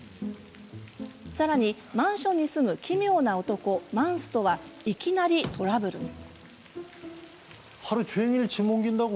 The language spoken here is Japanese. さらにマンションに住む奇妙な男マンスとは、いきなりトラブルに。